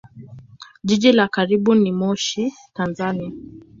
Jiji la karibu ni Moshi, Tanzania.